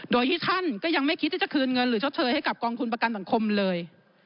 โดยที่ท่านก็ยังไม่คิดที่จะคืนเงินหรือชดเชยให้กับกองทุนประกันสังคมเลย